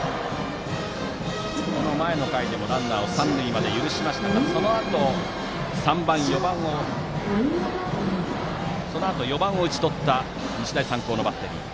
この前の回でもランナーを三塁まで許しましたがそのあと４番を打ちとった日大三高のバッテリー。